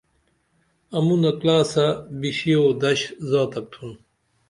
امونہ کلاسہ بِشی او دش زاتک تُھن